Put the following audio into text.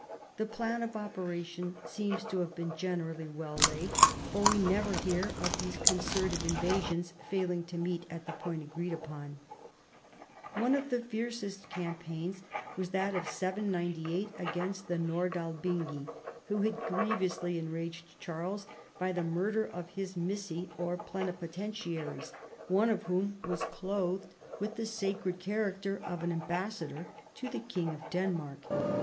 The plan of opera tions seems to have been generally well laid, for we never hear of these concerted invasions failing to meet at the point agreed upon. One of the fiercest campaigns was that of 798 against the Nordalbingi, who had grievously en raged Charles by the murder of his Qnissi or pleni potentiaries, one of whom was clothed with the THE CONVERSION OF THE SAXONS. 163 sacred character of an ambassador to the Kins: of Denmark.